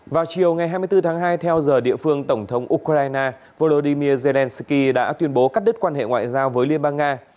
vào chiều ngày hai mươi bốn tháng hai theo giờ địa phương tổng thống ukraine volodymyr zelenskyy đã tuyên bố cắt đứt quan hệ ngoại giao với liên bang nga